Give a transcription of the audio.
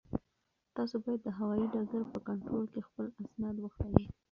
تاسو باید د هوایي ډګر په کنټرول کې خپل اسناد وښایئ.